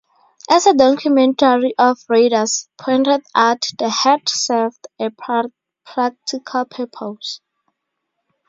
As a documentary of "Raiders" pointed out, the hat served a practical purpose.